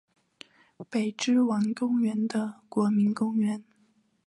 北之丸公园的国民公园。